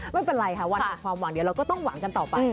ไม่เป็นไรค่ะวันหนึ่งความหวังเดี๋ยวเราก็ต้องหวังกันต่อไป